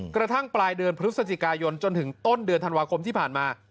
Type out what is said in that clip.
กระทั่งปลายเดือนพฤศจิกายนจนถึงต้นเดือนธันวาคมที่ผ่านมา